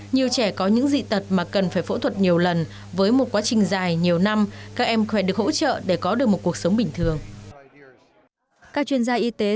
nhiều trẻ có những dị tật mà cần phải phẫu thuật nhiều lần với một quá trình dài nhiều năm các em phải được hỗ trợ để có được một cuộc sống bình thường